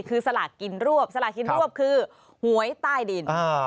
คือสลากกินรวบสลากกินรวบคือหวยใต้ดิน